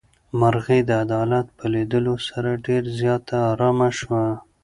مرغۍ د عدالت په لیدلو سره ډېره زیاته ارامه شوه.